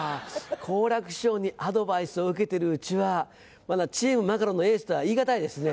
好楽師匠にアドバイスを受けてるうちはまだチームマカロンのエースとは言い難いですね。